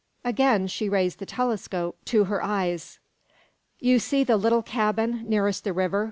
Again she raised the telescope to her eyes. "You see the little cabin nearest the river?"